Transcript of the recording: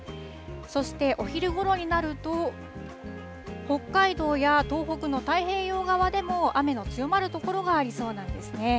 そして、お昼ごろになると、北海道や東北の太平洋側でも、雨の強まる所がありそうなんですね。